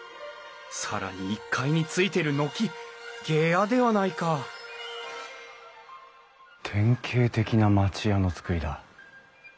更に１階についてる軒下屋ではないか典型的な町家の造りだ。